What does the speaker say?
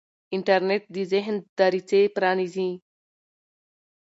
انټرنیټ د ذهن دریڅې پرانیزي.